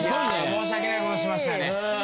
申し訳ないことしましたね。